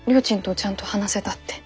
ちゃんと話せたって。